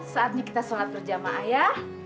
saatnya kita sholat berjamaah